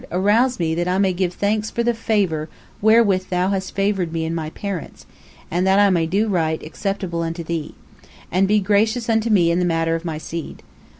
Arouse me that I may give thanks for the favour wherewith Thou hast favoured me and my parents, and that I may do right acceptable unto Thee. And be gracious unto me in the matter of my seed.